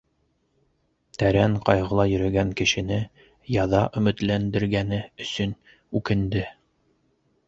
Тәрән ҡайғыла йөрөгән кешене яҙа өмөтләндергәне өсөн үкенде.